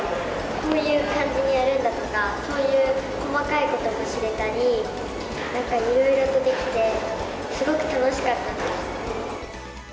こういう感じでやるんだとか、そういう細かいことも知れたり、なんかいろいろとできて、すごく楽しかったです。